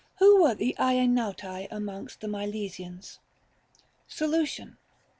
Who were the Idswavtcu amongst the Mile sians 1 Solution.